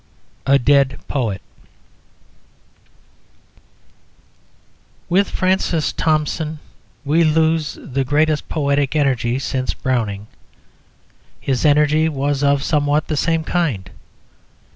A DEAD POET With Francis Thompson we lose the greatest poetic energy since Browning. His energy was of somewhat the same kind.